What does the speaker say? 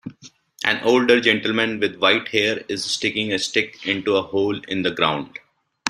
An older gentleman with white hair is sticking a stick into a hole in the ground.